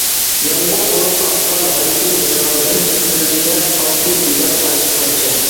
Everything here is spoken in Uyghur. يامغۇر بولۇپ ئاققان غەمكىن مىسرالىرىم، تۈنلىرىمدە قالدى بىدار قانچە-قانچە.